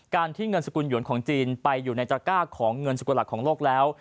ที่เงินสกุลหยวนของจีนไปอยู่ในตระก้าของเงินสุกุหลักของโลกแล้ว